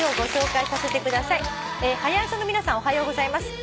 「『はや朝』の皆さんおはようございます」